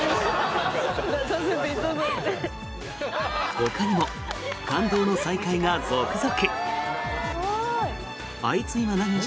ほかにも感動の再会が続々。